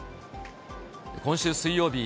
今週水曜日、